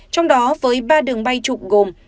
trong đó với ba đường bay trục gồm